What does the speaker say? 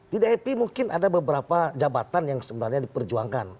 tidak happy mungkin ada beberapa jabatan yang sebenarnya diperjuangkan